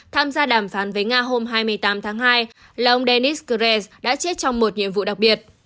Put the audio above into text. tham gia đàm phán với nga hôm hai mươi tám tháng hai là ông denis krez đã chết trong một nhiệm vụ đặc biệt